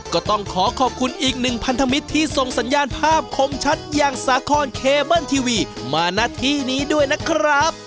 ก็ต้องขอขอบคุณอีกหนึ่งพันธมิตรที่ส่งสัญญาณภาพคมชัดอย่างสาคอนเคเบิ้ลทีวีมาณที่นี้ด้วยนะครับ